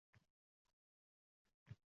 Buni asrning oʻrtalarida, deb hisoblaydilar.